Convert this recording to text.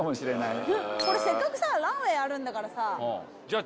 せっかくさランウェイあるんだから。